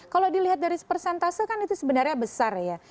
kalau dilihat dari persentase kan itu sebenarnya besar ya